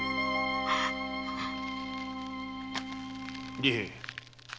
利平。